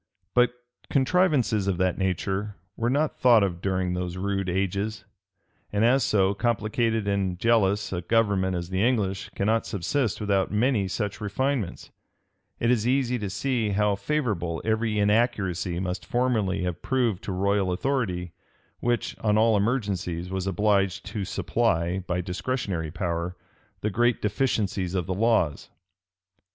But contrivances of that nature were not thought of during those rude ages; and as so complicated and jealous a government as the English cannot subsist without many such refinements, it is easy to see how favorable every inaccuracy must formerly have proved to royal authority, which, on all emergencies, was obliged to supply, by discretionary power, the great deficiency of the laws.